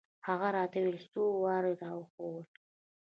هغه راته څو اوراد راوښوول.